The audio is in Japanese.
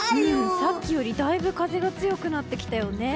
さっきよりだいぶ風が強くなってきたよね。